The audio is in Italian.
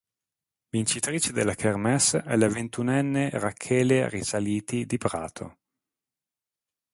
Vincitrice della kermesse è la ventunenne Rachele Risaliti di Prato.